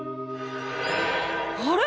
あれ？